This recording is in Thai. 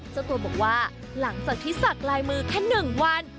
เจ้าตัวบอกว่าหลังจากที่สักลายมือแค่๑วัน